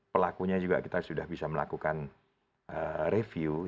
pelakunya juga kita sudah bisa melakukan review